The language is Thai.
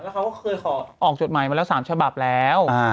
เขาก็เคยขอออกจดหมายมาแล้ว๓ฉบับแล้ว